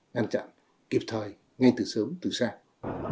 ngăn chặn kịp thời ngay từ sớm từ sáng